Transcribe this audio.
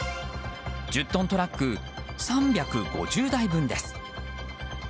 １０トントラック３５０台分です。